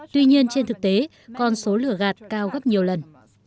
tuy nhiên trên thực tế con số lửa gạt cao gấp nhiều lần